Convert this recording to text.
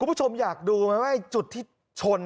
คุณผู้ชมอยากดูไหมว่าจุดที่ชน